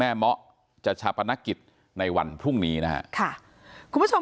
แม่เมาะจะชัพนักกิจในวันพรุ่งนี้นะครับ